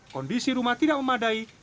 kondisi rumah tidak memadai